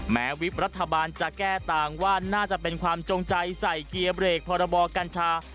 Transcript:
วิบรัฐบาลจะแก้ต่างว่าน่าจะเป็นความจงใจใส่เกียร์เบรกพรบกัญชา